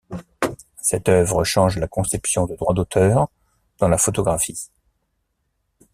Cette œuvre change la conception de droit d'auteur dans la photographie.